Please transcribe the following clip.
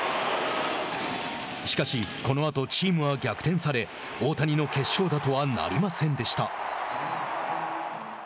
しかしこのあとチームは逆転され大谷の決勝打とはなりませんでした。